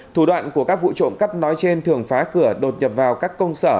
thủ đoạn của các vụ trộm cắp nói trên thường phá cửa đột nhập vào các công sở